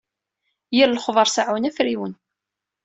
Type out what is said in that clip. Yir lexbar seɛɛun afriwen.